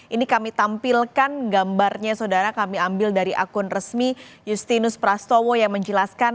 ini kami tampilkan gambarnya saudara kami ambil dari akun resmi justinus prastowo yang menjelaskan